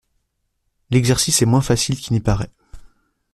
L’exercice est moins facile qu’il n’y paraît.